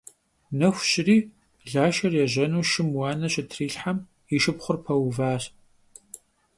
Нэху щыри, Лашэр ежьэну шым уанэ щытрилъхьэм, и шыпхъур пэуващ.